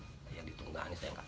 saya tidak tahu juga